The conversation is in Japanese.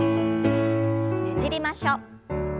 ねじりましょう。